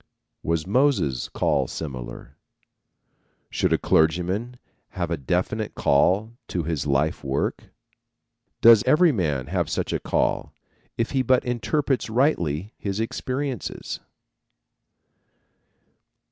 Was Moses' call similar? Should a clergyman have a definite call to his life work? Should every man? Does every man have such a call, if he but interprets rightly his experiences?